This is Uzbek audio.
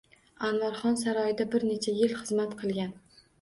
Anvar xon saroyida bir necha yil xizmat qilgan.